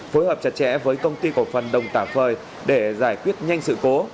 phối hợp chặt chẽ với công ty cổ phần đồng tả phời để giải quyết nhanh sự cố